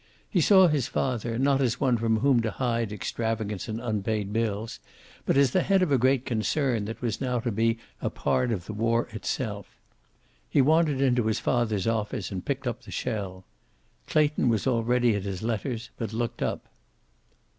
He saw his father, not as one from whom to hide extravagance and unpaid bills, but as the head of a great concern that was now to be a part of the war itself. He wandered into his father's office, and picked up the shell. Clayton was already at his letters, but looked up.